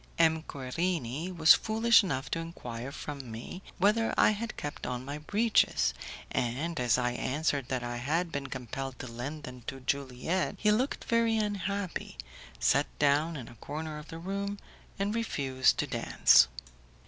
M. Querini was foolish enough to enquire from me whether I had kept on my breeches, and as I answered that I had been compelled to lend them to Juliette, he looked very unhappy, sat down in a corner of the room, and refused to dance.